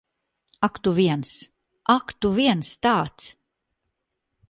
Ak tu viens. Ak, tu viens tāds!